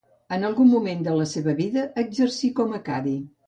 En algun moment de la seva vida, exercí com a cadi.